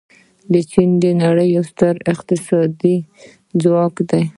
چین د نړۍ یو ستر اقتصادي ځواک دی.